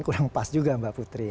kurang pas juga mbak putri